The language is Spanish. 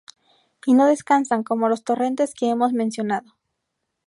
Y no descansan, como los torrentes que hemos mencionado.